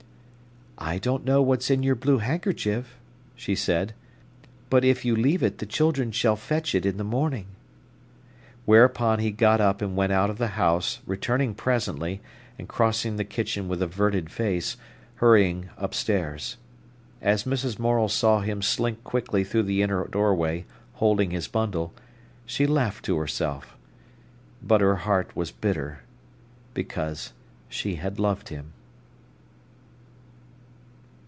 "I don't know what's in your blue handkerchief," she said. "But if you leave it the children shall fetch it in the morning." Whereupon he got up and went out of the house, returning presently and crossing the kitchen with averted face, hurrying upstairs. As Mrs. Morel saw him slink quickly through the inner doorway, holding his bundle, she laughed to herself: but her heart was bitter, because she had loved him.